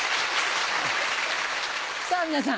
さぁ皆さん